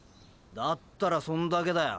だったらそんだけだヨ。